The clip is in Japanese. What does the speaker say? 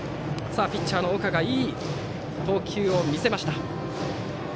ピッチャーの岡がいい投球を見せました。